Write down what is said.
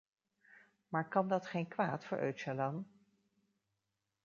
Maar kan dat geen kwaad voor Öcalan?